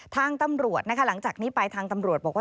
ทางตำรวจนะคะหลังจากนี้ไปทางตำรวจบอกว่า